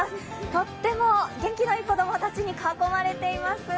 とっても元気のいい子供たちに囲まれています。